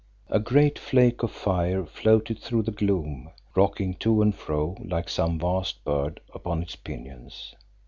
A great flake of fire floated through the gloom, rocking to and fro like some vast bird upon its pinions.